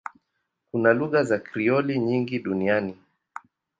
Kuna lugha za Krioli nyingi duniani.